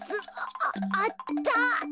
あああった。